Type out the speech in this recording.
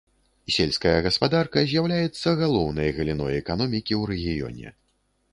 Сельская гаспадарка з'яўляецца галоўнай галіной эканомікі ў рэгіёне.